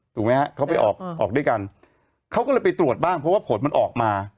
ถูกไหมฮะเขาไปออกออกด้วยกันเขาก็เลยไปตรวจบ้างเพราะว่าผลมันออกมา